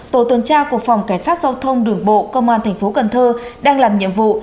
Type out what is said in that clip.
tổ tuần tra cục phòng cảnh sát giao thông đường bộ công an tp cn đang làm nhiệm vụ